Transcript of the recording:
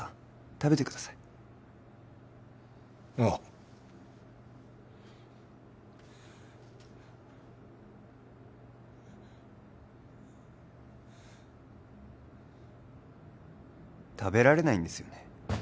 食べてくださいああ食べられないんですよね